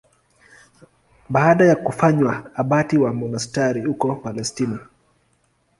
Baada ya kufanywa abati wa monasteri huko Palestina.